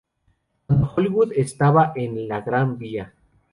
Cuando Hollywood estaba en la Gran Vía".